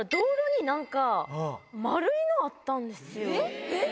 えっ？